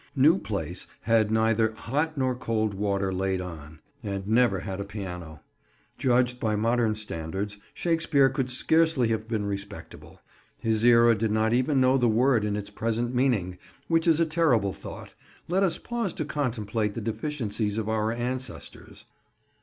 New Place had neither hot nor cold water laid on, and never had a piano. Judged by modern standards Shakespeare could scarcely have been respectable: his era did not even know the word in its present meaning, which is a terrible thought; let us pause to contemplate the deficiencies of our ancestors.